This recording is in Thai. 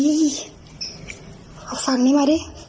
เอาฝั่งนี้มาดิ